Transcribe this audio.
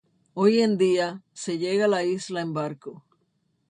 Hoy en día, se llega a la isla en barco.